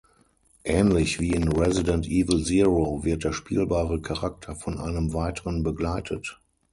Ähnlich wie in Resident Evil Zero wird der spielbare Charakter von einem weiteren begleitet.